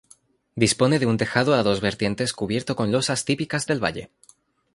Dispone de un tejado a dos vertientes cubierto con losas típicas del valle.